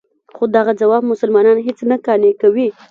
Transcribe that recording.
خو دغه ځواب مسلمانان هېڅ نه قانع کوي.